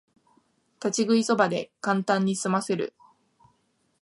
立ち食いそばでカンタンにすませる